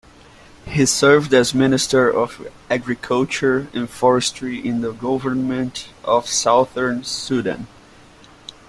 He served as Minister of Agriculture and forestry in the Government of Southern Sudan.